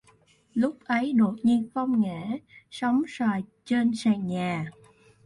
Lúc ấy đột nhiên phong ngã sóng soài trên sàn nhà